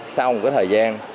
sau một thời gian